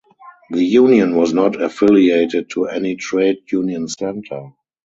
The union was not affiliated to any trade union centre.